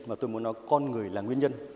mà tôi muốn nói là con người là nguyên nhân